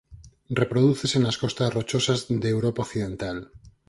Reprodúcese nas costas rochosas de Europa Occidental.